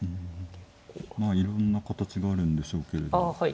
いろんな形があるんでしょうけど。